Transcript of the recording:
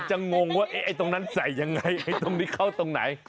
งงว่าไอ้ตรงนั้นใส่ยังไงไอ้ตรงนี้เข้าตรงไหน